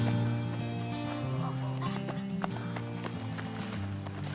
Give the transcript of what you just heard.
ini gatel banget sih